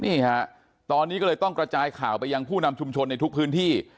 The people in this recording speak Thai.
นี่ฮะตอนนี้ก็เลยต้องกระจายข่าวไปยังผู้นำชุมชนในทุกพื้นที่